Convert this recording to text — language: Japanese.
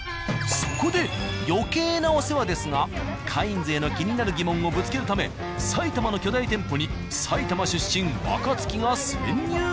そこで余計なお世話ですが「カインズ」への気になる疑問をぶつけるため埼玉の巨大店舗に埼玉出身若槻が潜入。